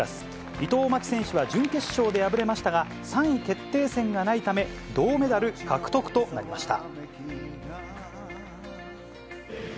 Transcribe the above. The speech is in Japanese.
伊藤槙紀選手は準決勝で敗れましたが、３位決定戦がないため、銅メダル獲得となりました。